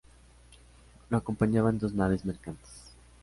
Lo acompañaban dos naves mercantes.